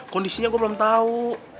kondisinya gue belum tau